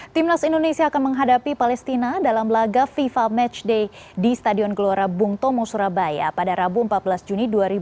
timnas indonesia akan menghadapi palestina dalam laga fifa matchday di stadion gelora bung tomo surabaya pada rabu empat belas juni dua ribu dua puluh